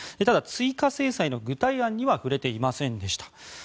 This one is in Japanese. ただ、追加制裁の具体案には触れていませんでした。